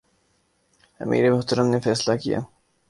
امیر محترم نے فیصلہ کیا